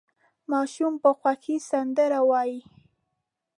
ماشوم په خوښۍ سندره وايي.